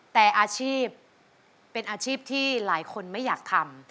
แต่อาชีพเป็นอาชีพที่หลายคนไม่อยากทำ